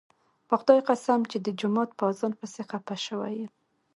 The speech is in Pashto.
په خدای قسم چې د جومات په اذان پسې خپه شوی یم.